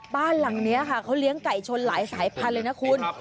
บ้านหลังนี้ค่ะเขาเลี้ยงไก่ชนหลายสายพันธุ์เลยนะคุณ